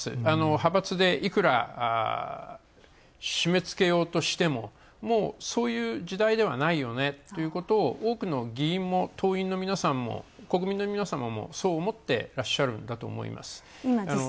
派閥でいくら締めつけようとしても、もう、そういう時代ではないよねっていうことを多くの議員も党員の皆さんも国民の皆様もそう思ってらっしゃるんだと思います。